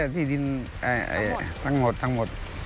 ที่ดินทั้งหมด